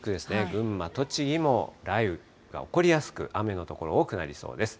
群馬、栃木も雷雨が起こりやすく、雨の所、多くなりそうです。